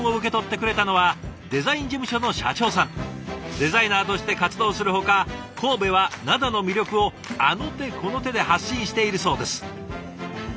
デザイナーとして活動するほか神戸は灘の魅力をあの手この手で発信しているそうです。